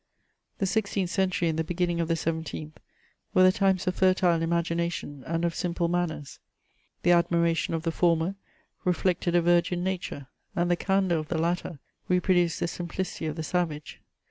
The sixteenth century and theJbeg^nning of the seventeenth, were the times of fertile imagination and of simple manners ; the admiration of the former reflected a viigin nature, and the candour of the latter reproduced the simplicity of the savage.